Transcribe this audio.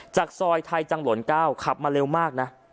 จากซอยไทยจังหล่น๙ขับมาเร็วมากนะ